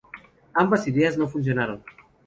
Ambas ideas no funcionaron.